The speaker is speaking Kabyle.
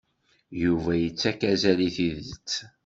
Yuba ittak azal i tidet.